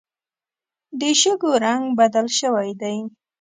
د شګو رنګ بدل شوی وي